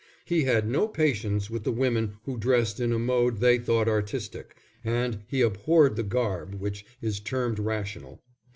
He had no patience with the women who dressed in a mode they thought artistic, and he abhorred the garb which is termed rational.